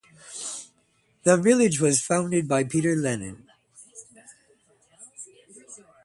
The village was founded by Peter Lennon.